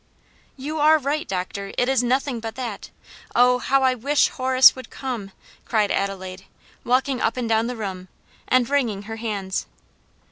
"You are right, doctor! it is nothing but that. Oh! how I wish Horace would come!" cried Adelaide, walking up and down the room, and wringing her hands.